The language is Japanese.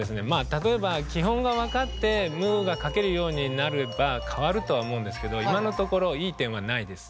例えば基本が分かって「む」が書けるようになれば変わるとは思うんですけど今のところいい点はないです。